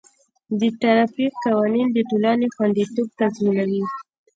د ټرافیک قوانین د ټولنې خوندیتوب تضمینوي.